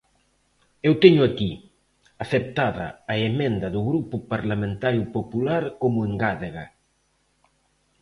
Eu teño aquí: aceptada a emenda do Grupo Parlamentario Popular como engádega.